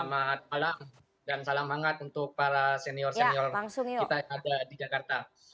selamat malam dan salam hangat untuk para senior senior kita yang ada di jakarta